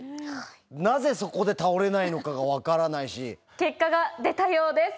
なぜそこで倒れないのかが分から結果が出たようです。